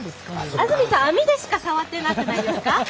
安住さん、網でしか触ってなくないですか？